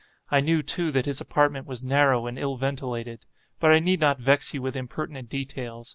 I knew, too, that his apartment was narrow and ill ventilated. But I need not vex you with impertinent details.